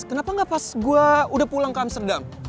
kenapa nggak pas gue udah pulang ke amsterdam